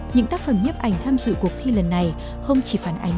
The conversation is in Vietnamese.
những tác phẩm nhếp ảnh tham dự cuộc thi lần này không chỉ phản ánh